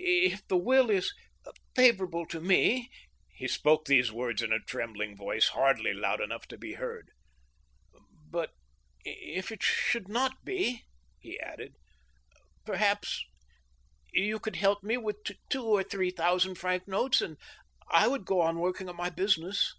If the will is favorable to me —" He spoke those words in a trembling voice, hardly loud enough to be heard. " But if it should not be." he added, "perhaps you could help me with two or three thousand franc notes, and I would go on working at my business."